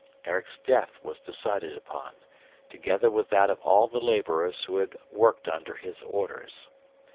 Erik's death was decided upon, together with that of all the laborers who had worked under his orders.